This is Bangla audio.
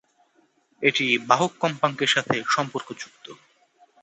এটি বাহক কম্পাঙ্কের সাথে সম্পর্কযুক্ত।